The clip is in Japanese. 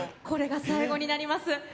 これが最後になります。